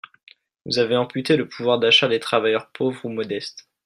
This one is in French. Vous avez amputé le pouvoir d’achat des travailleurs pauvres ou modestes.